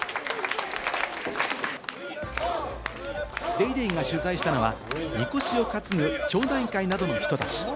『ＤａｙＤａｙ．』が取材したのは、みこしを担ぐ町内会などの人たち。